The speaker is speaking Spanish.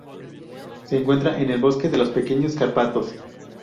Se encuentra en el bosque de los pequeños Cárpatos.